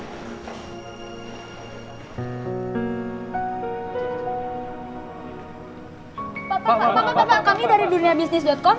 pak pak pak kami dari duniabisnis com